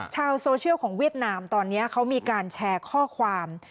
ชาวโซเชียลของเวียดนามตอนนี้เขามีการแชร์ข้อความ